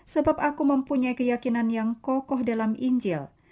sebab aku mempunyai keyakinan yang kokoh dalam injil